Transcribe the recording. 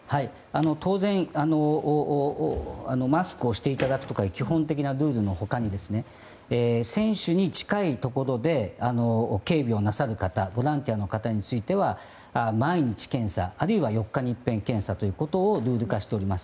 当然マスクをしていただくとか基本的なルールの他に選手に近いところで警備をなさる方ボランティアの方については毎日検査、あるいは４日に１回検査ということをルール化しております。